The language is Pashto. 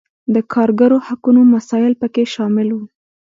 د کارګرو حقونو مسایل پکې شامل وو.